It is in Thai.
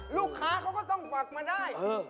ลูกค้าเขาก็ต้องกวักมาได้